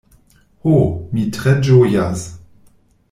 Ho, mi tre ĝojas.